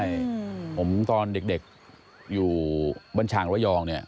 ใช่ผมตอนเด็กอยู่บัญชางระยองเนี่ย